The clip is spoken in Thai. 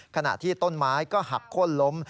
ขณะที่ต้นไม้ก็หักโค้นล้ม